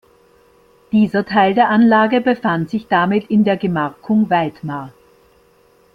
Dieser Teil der Anlage befand sich damit in der Gemarkung Weitmar.